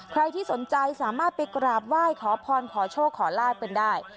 ใครที่สนใจสามารถไปกราบไหว้ขอพรขอโชคขอลาบกันได้